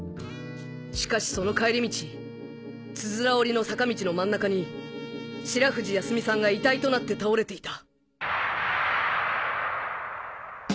しかしその帰り道つづら折りの坂道の真ん中に白藤泰美さんが遺体となって倒れていた！